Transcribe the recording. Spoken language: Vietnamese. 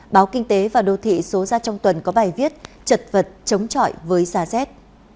báo kinh tế và đô thị số ra trong tuần có bài viết chật vật chống chọi với giá rét